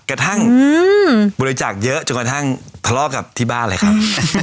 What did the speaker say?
กระทั่งบริจาคเยอะจนกระทั่งทะเลาะกับที่บ้านเลยครับ